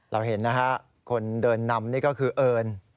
เราเห็นคนเดินนำนี่ก็คือเอิญ